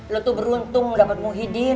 lo tuh beruntung dapat muhidin